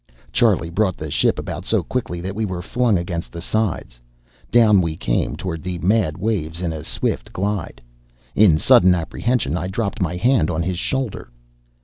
Charlie brought the ship about so quickly that we were flung against the sides. Down we came toward the mad waves in a swift glide. In sudden apprehension, I dropped my hand on his shoulder.